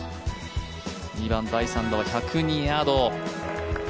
２番、第３打は１０２ヤード。